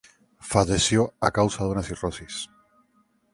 Falleció a causa de una cirrosis.